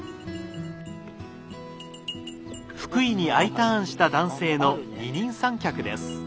福井にＩターンした男性の二人三脚です。